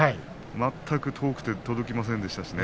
全く遠くて届きませんでした。